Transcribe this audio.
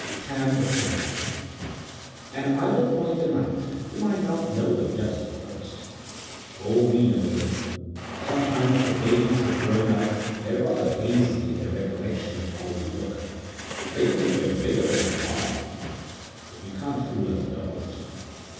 < 8 > Tam assented. "And I will point them out. You might not know them just at first." "Oh, we know them. Sometimes the babies have so grown up they're rather hazy in their recollection of how we look. They think we're bigger than we are; but you can't fool us dogs."